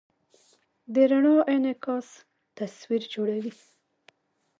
د رڼا انعکاس تصویر جوړوي.